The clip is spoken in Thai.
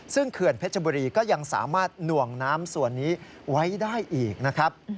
ซึ่งเขื่อนเพชรบุรีก็ยังสามารถหน่วงน้ำส่วนนี้ไว้ได้อีกนะครับ